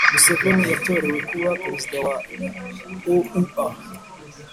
museveni yatorewe kuba perezida wa oua,